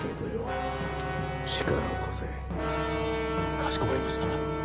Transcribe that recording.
かしこまりました。